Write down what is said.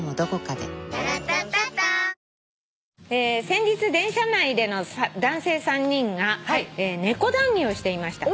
「先日電車内での男性３人が猫談議をしていました」